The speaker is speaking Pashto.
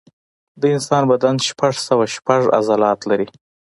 د انسان بدن شپږ سوه شپږ عضلات لري.